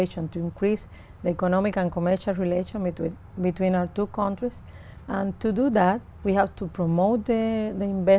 chúng tôi có một hợp lý tuyệt vời